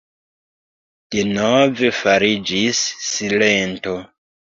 Denove fariĝis silento.